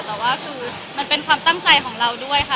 แต่ว่าคือมันเป็นความตั้งใจของเราด้วยค่ะ